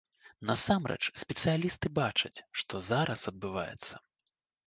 Насамрэч спецыялісты бачаць, што зараз адбываецца.